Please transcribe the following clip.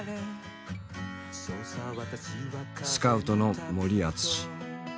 スカウトの森淳。